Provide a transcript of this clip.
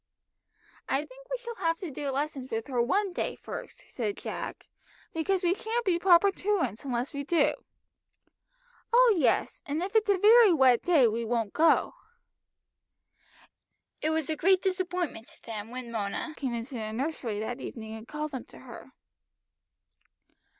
"I think we shall have to do lessons with her one day first," said Jack, "because we shan't be proper truants unless we do." "Oh yes, and if it's a very wet day we won't go." It was a great disappointment to them when Mona came into the nursery that evening and called them to her.